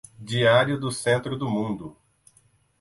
Diário do Centro do Mundo